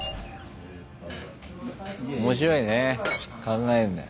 面白いね考えんだ。